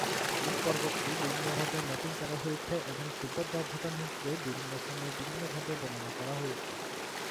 এই পর্বতটি বিভিন্নভাবে ম্যাপিং করা হয়েছে এবং তিব্বত বা ভুটান হিসাবে বিভিন্ন সময়ে বিভিন্ন ভাবে বর্ণনা করা হয়েছে।